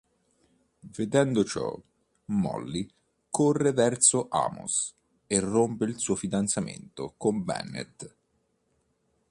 Vedendo ciò, Molly corre verso Amos e rompe il suo fidanzamento con Bennett.